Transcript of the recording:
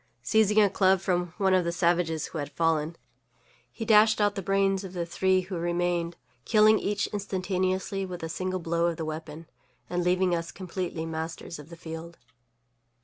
Seizing a club from one of the savages who had fallen, he dashed out the brains of the three who remained, killing each instantaneously with a single blow of the weapon, and leaving us completely masters of the field.